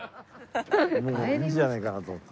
もういいんじゃないかなと思った。